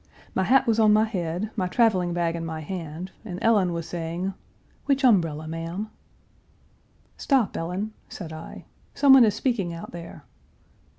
My hat was on my head, my traveling bag in my hand, and Ellen was saying "Which umbrella, ma'am?" "Stop, Ellen," said I, "someone is speaking out there."